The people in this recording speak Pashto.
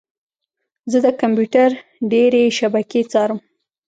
زه د کمپیوټر ډیرې شبکې څارم.